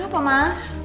nih apa mas